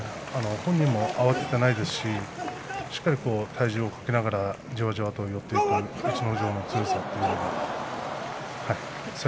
本人も慌てていませんししっかり体重をかけながらじわじわと寄っていって逸ノ城の強さが出ています。